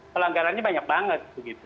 pelanggarannya banyak banget